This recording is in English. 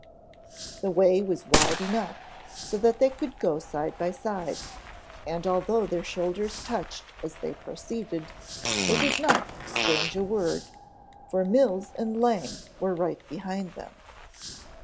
The way was wide enough so that they could go side by side, and although their shoulders touched as they proceeded, they did not exchange a word, for Mills and Lang were right behind them.